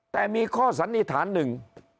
แต่มีข้อสันนิษฐานหนึ่ง